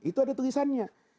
itu ada tulisannya